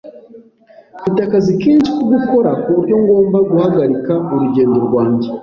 Mfite akazi kenshi ko gukora kuburyo ngomba guhagarika urugendo rwanjye.